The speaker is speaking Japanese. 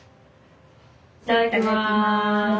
いただきます。